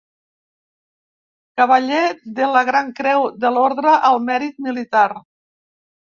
Cavaller de la Gran Creu de l'Orde al Mèrit Militar.